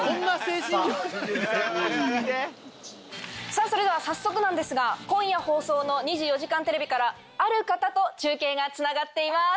さぁそれでは早速なんですが今夜放送の『２４時間テレビ』からある方と中継がつながっています。